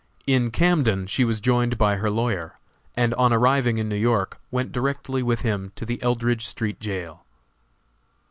In Camden she was joined by her lawyer, and on arriving in New York went directly with him to the Eldridge street jail.